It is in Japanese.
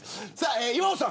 岩尾さん